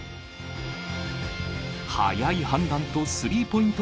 早い判断とスリーポイント